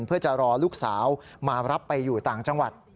เพื่อจะรอลูกสาวมารับไปอยู่ต่างจังหวัด